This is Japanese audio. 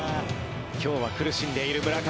今日は苦しんでいる村上。